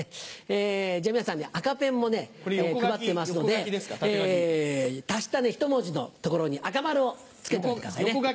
じゃ皆さんに赤ペンも配ってますので足したひと文字のところに赤丸を付けてくださいね。